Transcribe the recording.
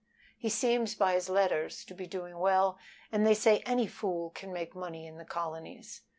"He seems by his letters to be doing well, and they say any fool can make money in the colonies.